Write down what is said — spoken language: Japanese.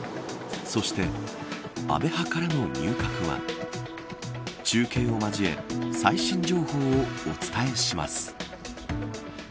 そして、安倍派からの入閣は中継を交え最新情報をお伝えします。